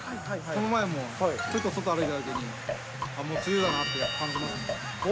この前も外歩いてたときに、もう梅雨だなって感じますね。